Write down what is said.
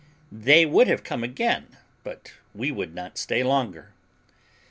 They would have come again, but we would stay no longer.